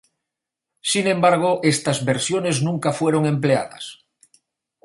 Sin embargo, estas versiones nunca fueron empleadas.